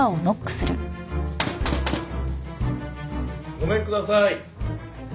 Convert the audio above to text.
ごめんください。